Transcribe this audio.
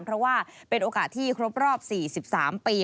เพราะว่าเป็นโอกาสที่ครบรอบ๔๓ปี